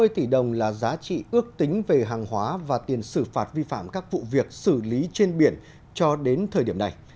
năm mươi tỷ đồng là giá trị ước tính về hàng hóa và tiền xử phạt vi phạm các vụ việc xử lý trên biển cho đến thời điểm này